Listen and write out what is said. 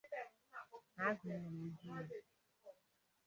Ha gụnyèrè ọjị